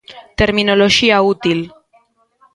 Terminoloxía Útil.